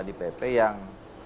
di pp yang